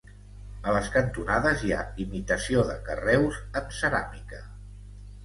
A les cantonades hi ha imitació de carreus en ceràmica.